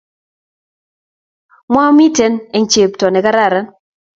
mwamwaiten eng chepto nekararan.